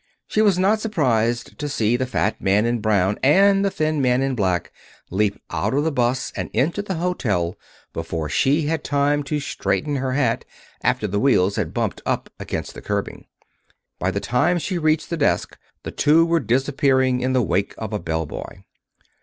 She was not surprised to see the fat man in brown and the thin man in black leap out of the 'bus and into the hotel before she had had time to straighten her hat after the wheels had bumped up against the curbing. By the time she reached the desk the two were disappearing in the wake of a bell boy.